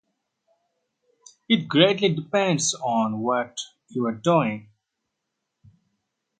It greatly depends on what you're doing.